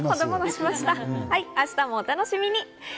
明日もお楽しみに。